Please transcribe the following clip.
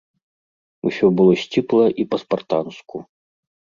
Усё было сціпла і па-спартанску.